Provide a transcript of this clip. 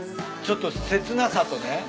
ちょっと切なさとね。